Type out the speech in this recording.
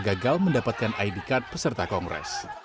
gagal mendapatkan id card peserta kongres